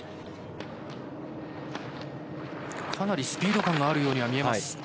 かなりスピード感があるように見えます。